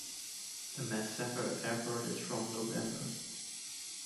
The Matsapha Airport is from Lobamba.